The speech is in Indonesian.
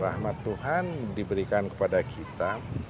rahmat tuhan diberikan kepada kita